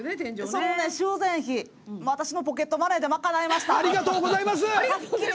修繕費、私のポケットマネーで賄いました。